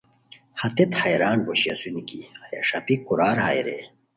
ہتیت حیران پوشی اسونی کی ہیہ ݰاپیک کورار ہائے رے